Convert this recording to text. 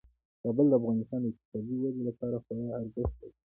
کابل د افغانستان د اقتصادي ودې لپاره خورا ارزښت لري.